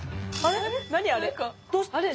あれ？